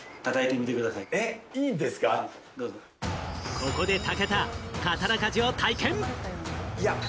ここで武田、刀鍛冶を体験！